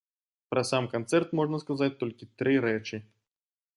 Пра сам канцэрт можна сказаць толькі тры рэчы.